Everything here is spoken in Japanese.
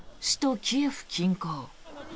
首都キエフ近郊。